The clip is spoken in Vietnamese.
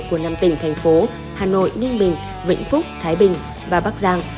của năm tỉnh thành phố hà nội ninh bình vĩnh phúc thái bình và bắc giang